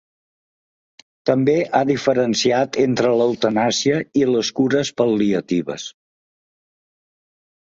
També ha diferenciat entre l’eutanàsia i les cures pal·liatives.